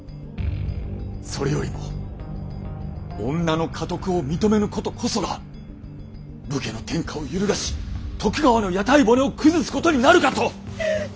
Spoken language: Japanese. それよりも女の家督を認めぬことこそが武家の天下を揺るがし徳川の屋台骨を崩すことになるかと。